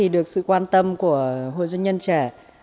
được sự quan tâm của hội doanh nhân trẻ